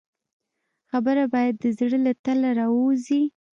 خبره باید د زړه له تله راووځي.